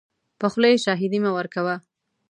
په خوله یې شاهدي مه ورکوه .